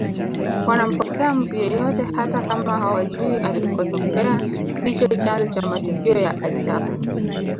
wanampokea mtu yeyote hata kama hawajui alikotokea ndicho chanzo cha matukio ya ajabu